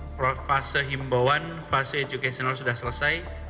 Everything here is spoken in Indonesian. pada depan fase himbauan fase edukasional sudah selesai